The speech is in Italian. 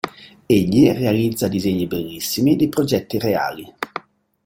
Egli realizza disegni bellissimi di progetti reali.